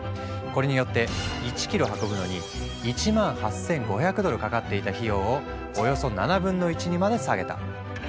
これによって１キロ運ぶのに１万８，５００ドルかかっていた費用をおよそ７分の１にまで下げた。